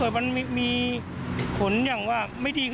แต่ว่าถ้ามุมมองในทางการรักษาก็ดีค่ะ